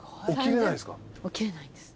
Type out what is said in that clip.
起きれないんすか？